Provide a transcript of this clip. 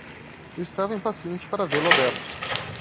Eu estava impaciente para vê-lo aberto.